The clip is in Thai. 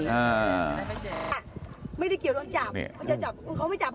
จะจับหรือเขาไม่จับเรายังไง